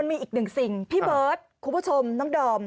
มีอีกหนึ่งสิ่งพี่เบิร์ดคุณผู้ชมน้องดอม